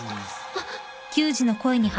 あっ。